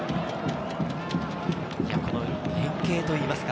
この連係といいますか。